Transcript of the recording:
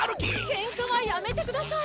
ケンカはやめてください！